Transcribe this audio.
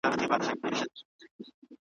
چي به ما یې رابللی ته به زما سره خپلېږي `